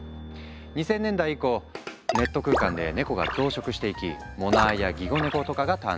２０００年代以降ネット空間でネコが増殖していき「モナー」や「ギコ猫」とかが誕生。